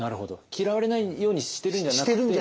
嫌われないようにしてるんじゃなくて。